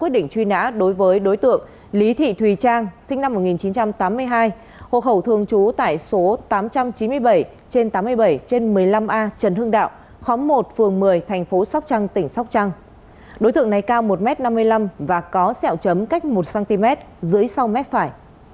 đối thượng này cao một m năm mươi năm và có xẹo chấm cách một cm dưới sau mét phải